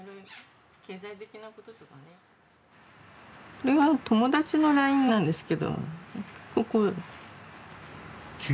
これは友達のＬＩＮＥなんですけど。